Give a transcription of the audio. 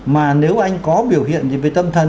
mà nếu anh có biểu hiện về tâm thần